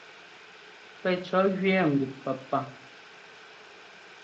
Pɛcʉ̈ jʉɛ ŋgup Pɛpaŋ.